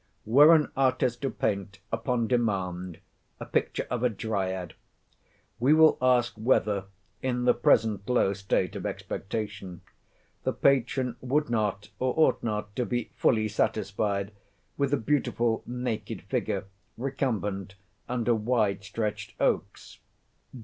Were an artist to paint upon demand a picture of a Dryad, we will ask whether, in the present low state of expectation, the patron would not, or ought not to be fully satisfied with a beautiful naked figure recumbent under wide stretched oaks?